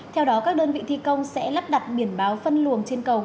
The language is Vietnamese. theo đó các đơn vị thi công sẽ lắp đặt biển báo phân luồng trên cầu